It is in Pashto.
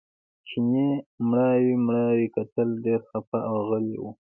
چیني مړاوي مړاوي کتل ډېر خپه او غلی و.